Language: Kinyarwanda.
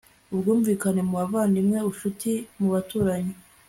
ubwumvikane mu bavandimwe, ubucuti mu baturanyi